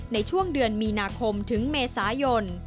ในช่วงเดือนมีนาคมถึงเมษายน